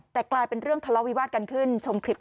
แต่กลายเป็นเรื่องทะเลาวิวาสกันขึ้นชมคลิป